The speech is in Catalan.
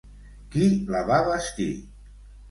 Qui la va bastir?